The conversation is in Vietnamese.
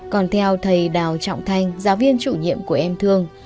còn theo thầy đào trọng thanh giáo viên chủ nhiệm của em thương